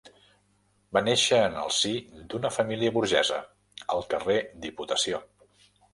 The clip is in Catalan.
Va néixer en el si d'una família burgesa, al carrer Diputació.